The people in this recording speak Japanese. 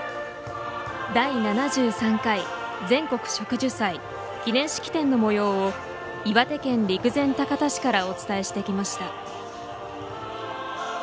第７３回全国植樹祭記念式典の模様を岩手県陸前高田市からお伝えしてきました。